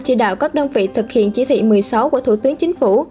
chỉ đạo các đơn vị thực hiện chỉ thị một mươi sáu của thủ tướng chính phủ